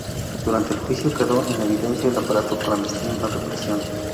Durante el juicio quedó en evidencia el aparato clandestino de represión.